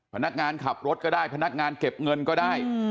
พนักงานขับรถก็ได้พนักงานเก็บเงินก็ได้